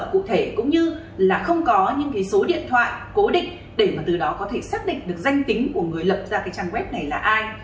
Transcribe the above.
cụ thể cũng như là không có những cái số điện thoại cố định để mà từ đó có thể xác định được danh tính của người lập ra cái trang web này là ai